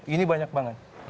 ini banyak banget